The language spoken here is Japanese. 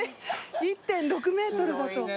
１．６ｍだと。